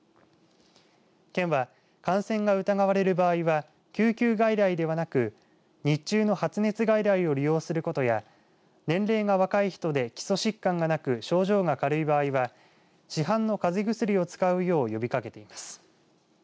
県は感染が疑われる場合は救急外来ではなく日中の発熱外来を利用することや年齢が若い人で基礎疾患がなく症状が軽い場合は市販のかぜ薬を使うよう呼びかけています。